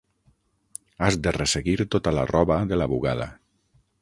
Has de resseguir tota la roba de la bugada.